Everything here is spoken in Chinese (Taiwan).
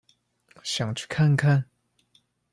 想去看看